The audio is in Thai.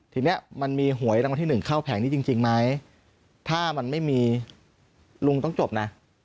ทีนี้มันมีหวยรางวัลที่หนึ่งเข้าแผงนี้จริงไหมถ้ามันไม่มีลุงต้องจบนะ